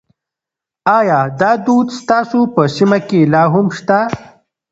ایا دا دود ستاسو په سیمه کې لا هم شته؟